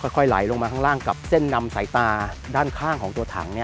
ค่อยไหลลงมาข้างล่างกับเส้นนำสายตาด้านข้างของตัวถัง